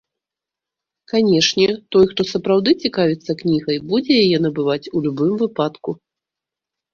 Канешне, той, хто сапраўды цікавіцца кнігай, будзе яе набываць у любым выпадку.